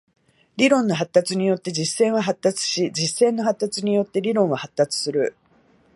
理論の発達によって実践は発達し、実践の発達によって理論は発達する。